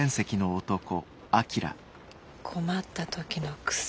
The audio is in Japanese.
困った時のクセ。